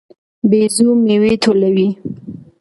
بيزو میوې ټولوي.